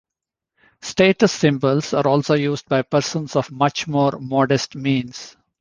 Status symbols are also used by persons of much more modest means.